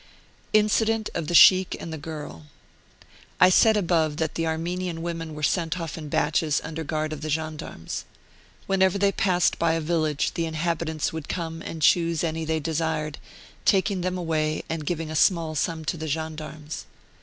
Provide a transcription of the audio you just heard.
INCIDENT OF THE SHEIKH AND THE GIRL. I said above that the Armenian women were sent off in batches under guard of gendarmes. Whenever they passed by a village the inhabitants would come and choose any they desired, taking them away and giving a small sum to the gendarmes.